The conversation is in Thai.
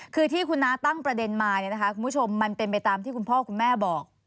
คือที่คุณน้าตั้งประเด็นมาเนี่ยนะคะคุณผู้ชมมันเป็นไปตามที่คุณพ่อคุณแม่บอก